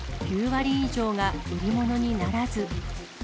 ９割以上が売り物にならず。